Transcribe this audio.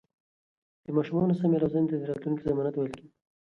د ماشومانو سمې روزنې ته يې د راتلونکي ضمانت ويل.